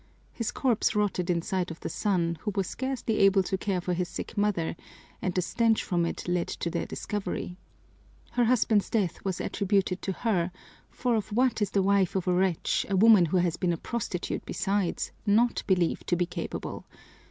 His corpse rotted in sight of the son, who was scarcely able to care for his sick mother, and the stench from it led to their discovery. Her husband's death was attributed to her, for of what is the wife of a wretch, a woman who has been a prostitute besides, not believed to be capable?